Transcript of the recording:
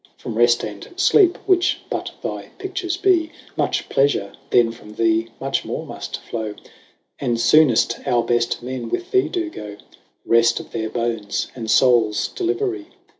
From reft and fleepe, which but thy pictures bee, 5 Much pleafure, then from thee, much more muft flow, And fooneft our beft men with thee doe goe, Reft of their bones, and foules deliverie.